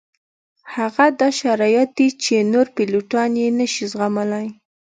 دا هغه شرایط دي چې نور پیلوټان یې نه شي زغملی